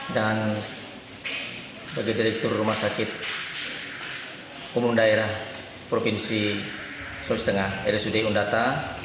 dan bagi direktur rumah sakit umum daerah provinsi sulawesi tengah rsud undata